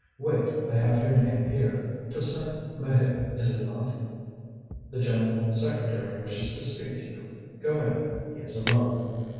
"Wait: I have your name here. Toussaint Maheu, is it not? The general secretary wishes to speak to you. Go in, he is alone."